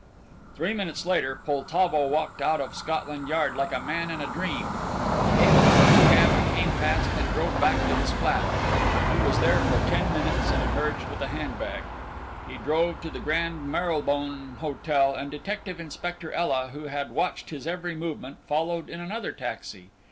Three minutes later Poltavo walked out of Scotland Yard like a man in a dream. He hailed the first cab that came past and drove back to his flat. He was there for ten minutes and emerged with a handbag. He drove to the Grand Marylebone Hotel, and detective inspector Ela, who had watched his every movement, followed in another taxi.